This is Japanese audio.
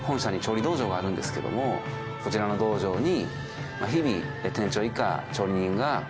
こちらの道場に。